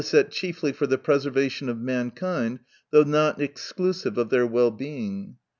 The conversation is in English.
chiefly for the preservation of mankind, though not exclusive of their well being.